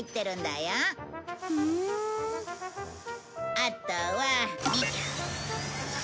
あとは。